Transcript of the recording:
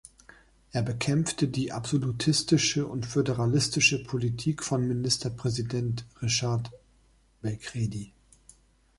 Er bekämpfte die absolutistische und föderalistische Politik von Ministerpräsident Richard Belcredi.